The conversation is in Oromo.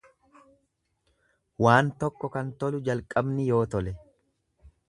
Waan tokko kan tolu jalqabni yoo tole.